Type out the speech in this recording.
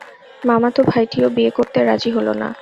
মামাতো ভাইটিও বিয়ে করতে রাজি হল না।